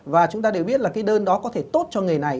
và chúng ta đều biết là cái đơn đó có thể tốt cho nghề này